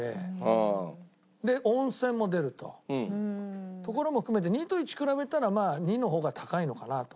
で温泉も出るとところも含めて２と１比べたら２の方が高いのかなと。